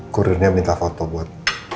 kurirnya minta foto buat